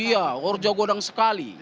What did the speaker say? iya horja godang sekali